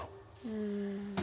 うん。